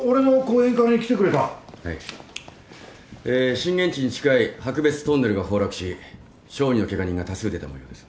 震源地に近い白別トンネルが崩落し小児のケガ人が多数出たもようです。